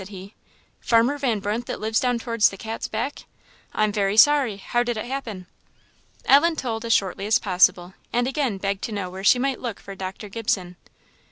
said he "Farmer Van Brunt that lives down towards the Cat's Back? I'm very sorry! How did it happen?" Ellen told as shortly as possible, and again begged to know where she might look for Dr. Gibson.